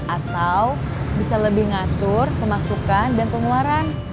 atau mungkin aku bisa bekerja di rumah